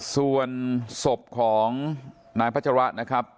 ส่วนศพของนายพัชระนะครับ